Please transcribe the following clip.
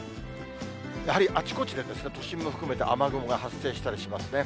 やはりあちこちで、都心も含めて、雨雲が発生したりしますね。